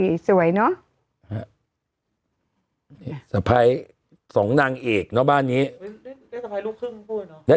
อุ้ยสวยเนอะฮะสภัยสำนางเอกเนอะบ้านนี้ได้สภัยลูกครึ่งเข้ามา